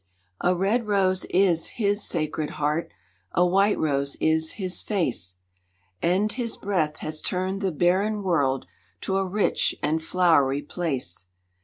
A red rose is His Sacred Heart, a white rose is His face, And His breath has turned the barren world to a rich and flowery place.